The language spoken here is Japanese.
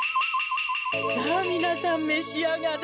さあみなさんめしあがれ。